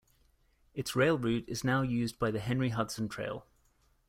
Its rail route is now used by the Henry Hudson Trail.